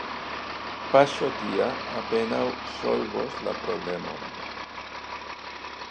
Paŝo tia apenaŭ solvos la problemon.